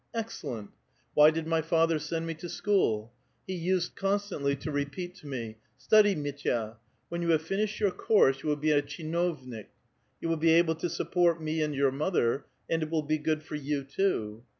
Excellent ! Why did my father send me to school? He used constantly to repeat to me :' Study, Mitya; when you have finished your course you will be a tcJiinovnik ; you will be able to suixi)ort me and your mother, and it will be good for you, too.